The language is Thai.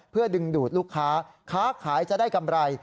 เพื่อดึงดูดลูกค้าค้าขายจะได้กำไร